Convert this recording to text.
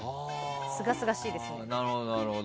すがすがしいですね。